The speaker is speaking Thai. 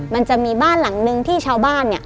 มันจะมีบ้านหลังนึงที่ชาวบ้านเนี่ย